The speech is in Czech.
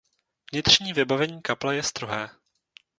Vnitřní vybavení kaple je strohé.